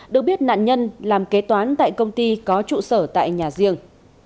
được biết nạn nhân làm kế toán tại công ty có trụ sở tại nhà riêng